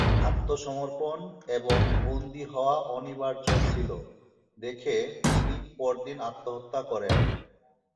আত্মসমর্পণ এবং বন্দী হওয়া অনিবার্য ছিল দেখে তিনি পরদিন আত্মহত্যা করেন।